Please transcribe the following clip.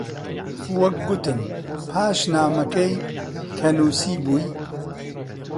وەک گوتم، پاش نامەکەی کە نووسیبووی: